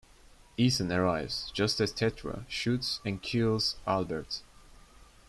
Ethan arrives just as Tetra shoots and kills Albert.